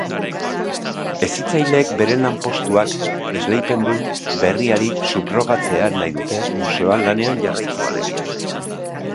Hezitzaileek beren lanpostuak esleipendun berriari subrogatzea nahi dute, museoan lanean jarraitu alegia.